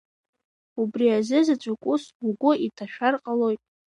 Убри азы заҵәык ус угәы иҭашәар ҟалон.